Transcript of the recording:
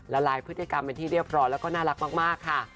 ละลายพฤติกรรมเป็นที่เรียบร้อยแล้วก็น่ารักมากค่ะ